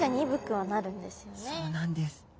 そうなんです。